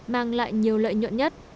mang lại nhiều lợi nhuận nhất